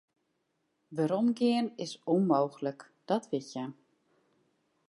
Weromgean is ûnmooglik, dat wit hja.